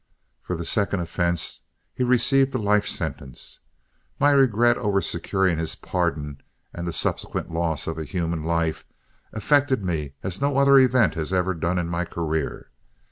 For the second offense he received a life sentence. My regret over securing his pardon, and the subsequent loss of human life, affected me as no other event has ever done in my career.